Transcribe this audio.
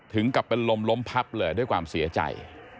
ถึงกับเป็นลมล้มพับเลยด้วยความเสียใจ